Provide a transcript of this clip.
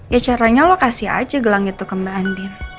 ya caranya lo kasih aja gelang itu ke mbak andir